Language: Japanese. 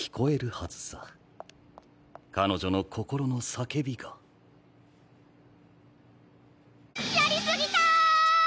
はずさ彼女の心の叫びがやりすぎた！